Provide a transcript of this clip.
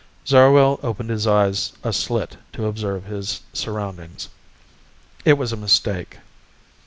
Zarwell opened his eyes a slit to observe his surroundings. It was a mistake.